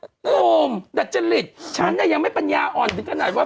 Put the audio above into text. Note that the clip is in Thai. หนุ่มดัจจริตฉันยังไม่ปัญญาอ่อนถึงขนาดว่า